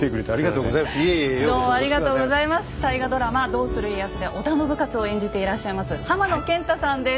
「どうする家康」で織田信雄を演じていらっしゃいます浜野謙太さんです。